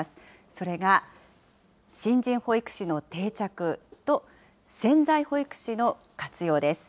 それが、新人保育士の定着と、潜在保育士の活用です。